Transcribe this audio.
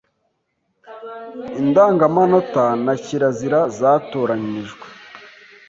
Indangamanota na kirazira zatoranijwe